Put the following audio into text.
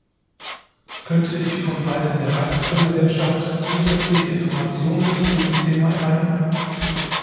Könnte ich von seiten der Ratspräsidentschaft zusätzliche Informationen zu diesem Thema erhalten?